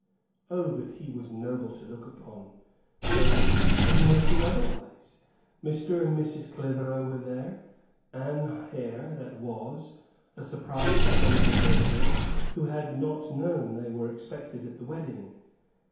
Oh, but he was noble to look upon; though when was he otherwise? Mr. and Mrs. Clithero were there, Anne Hare, that was; a surprise for some of the gazers, who had not known they were expected at the wedding.